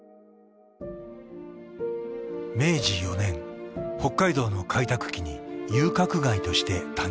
明治４年北海道の開拓期に遊郭街として誕生。